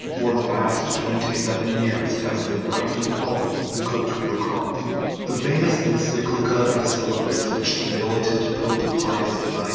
For the last twenty seven years it has been rightly called the " cultur kamp] " The famous encyclica and syllabus which the mili tant pope, Pius IX.